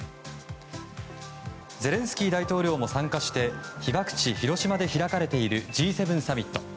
ゼレンスキー大統領も参加して被爆地・広島で開かれているＧ７サミット。